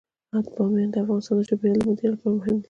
بامیان د افغانستان د چاپیریال د مدیریت لپاره مهم دي.